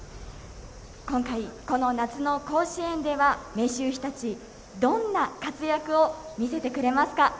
今回、この夏の甲子園では明秀日立、どんな活躍を見せてくれますか？